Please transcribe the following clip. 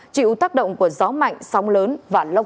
chịu tác động của gió mạnh sóng lớn và lốc